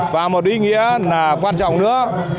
và một ý nghĩa là quan trọng nữa